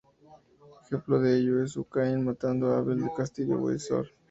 Ejemplo de ello es su "Caín matando a Abel" del Castillo de Windsor.